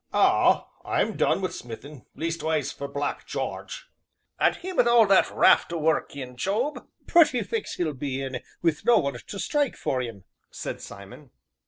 "Ah! I'm done wi' smithin' leastways, for Black Jarge." "And him wi' all that raft o' work in, Job? Pretty fix 'e'll be in wi' no one to strike for 'im!" said Simon.